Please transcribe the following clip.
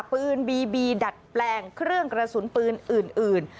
ปืนบีบีดัดแปลงเครื่องกระสุนปืนอื่น